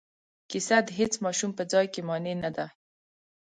کیسه د هیڅ ماشوم په ځای کې مانع نه دی.